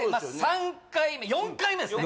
３回目４回目ですね